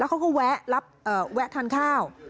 แล้วเขาก็แวะรับแวะทานข้าว